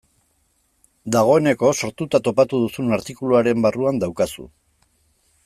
Dagoeneko sortuta topatu duzun artikuluaren barruan daukazu.